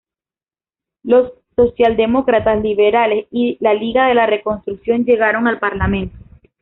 Los socialdemócratas, liberales y la Liga de la Reconstrucción llegaron al parlamento.